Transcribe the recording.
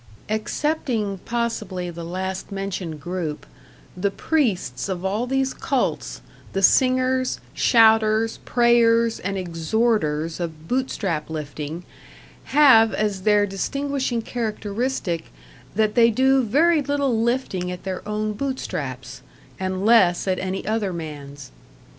Excepting possibly the last mentioned group, the priests of all these cults, the singers, shouters, prayers and exhorters of Bootstrap lifting have as their distinguishing characteristic that they do very little lifting at their own bootstraps, and less at any other man's.